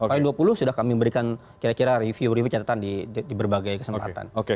pada tahun dua puluh sudah kami memberikan kira kira review review catatan di berbagai kesempatan